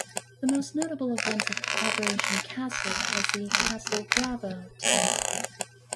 The most notable event of "Operation Castle" was the "Castle Bravo" test.